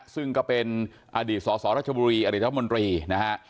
ซึ่งก็เป็นอดีตสสรัชบุรีอดีตรัฐมนตรีนะฮะ